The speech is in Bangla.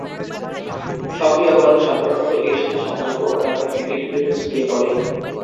সক্রিয়করণ সাধারণত এর সাথে সংযুক্ত অন্যান্য ইউনিটগুলিতে ছড়িয়ে পড়ে।